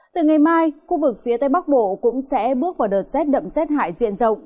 từ ngày mai khu vực phía tây bắc bộ cũng sẽ bước vào đợt rét đậm rét hại diện rộng